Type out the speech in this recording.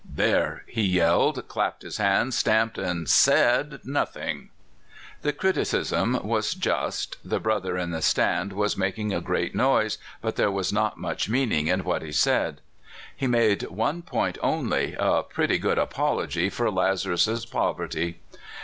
"There! he yelled, clapped his hands, stamped, and said nothing !" The criticism was just: the brother in the stand was making a great noise, but there was not much meaningjn what he said. "He made one point only a pretty good apol ogy for Lazarus's poverty."